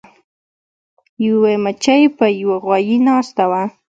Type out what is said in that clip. یوې مچۍ په یو غوایي ناسته وه.